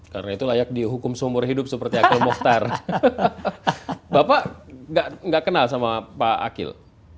karena itu layak dihukum seumur hidup seperti akhil mokhtar bapak nggak kenal sama pak akil